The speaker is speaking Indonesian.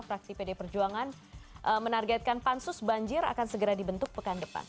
fraksi pd perjuangan menargetkan pansus banjir akan segera dibentuk pekan depan